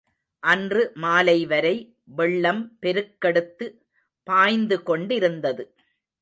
அன்று மாலைவரை வெள்ளம் பெருக்கெடுத்து பாய்ந்துகொண்டிருந்தது.